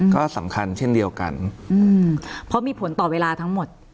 ก็สำคัญเช่นเดียวกันเพราะมีผลต่อเวลาทั้งหมด